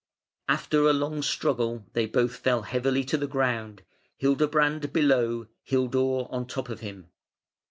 After a long struggle they both fell heavily to the ground, Hildebrand below, Hildur on top of him.